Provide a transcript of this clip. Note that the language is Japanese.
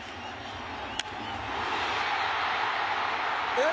えっ？